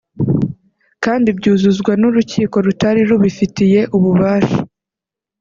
kandi byuzuzwa n’urukiko rutari rubufitiye ububasha